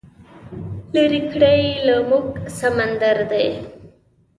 لرې کړی یې له موږه سمندر دی